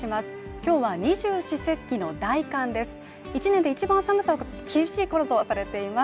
今日は二十四節気の大寒です